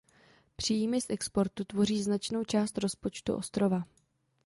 Příjmy z exportu tvoří značnou část rozpočtu ostrova.